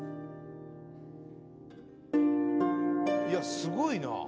いやすごいな。